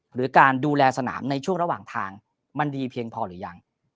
หรือการดูแลสนามในช่วงระหว่างทางมันดีเพียงพอหรือยัง